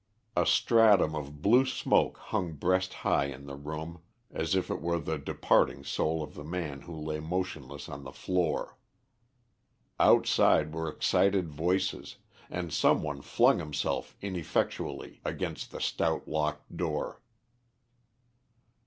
A stratum of blue smoke hung breast high in the room as if it were the departing soul of the man who lay motionless on the floor. Outside were excited voices, and some one flung himself ineffectually against the stout locked door.